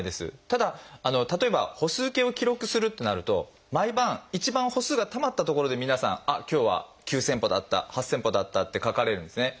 ただ例えば歩数計を記録するってなると毎晩一番歩数がたまったところで皆さんあっ今日は９，０００歩だった８，０００歩だったって書かれるんですね。